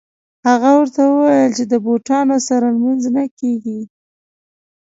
هغه ورته وویل چې د بوټانو سره لمونځ نه کېږي.